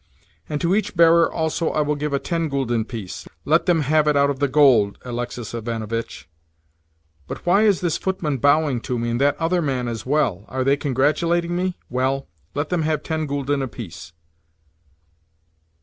"And to each bearer also I will give a ten gülden piece. Let them have it out of the gold, Alexis Ivanovitch. But why is this footman bowing to me, and that other man as well? Are they congratulating me? Well, let them have ten gülden apiece."